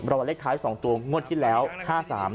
บรรวดเล็กท้ายสองตัวงวดที่แล้วห้าสาม